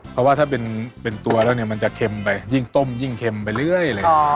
เพราะว่าถ้าเป็นตัวแล้วเนี่ยมันจะเค็มไปยิ่งต้มยิ่งเค็มไปเรื่อยเลย